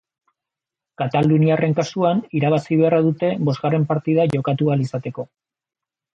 Kataluniarren kasuan, irabazi beharra dute bosgarren partida jokatu ahal izateko.